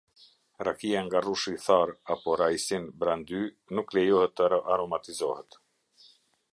Rakia nga rrushi i tharë apo Raisin Brandy nuk lejohet të aromatizohet.